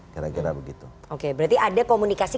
oke berarti ada komunikasi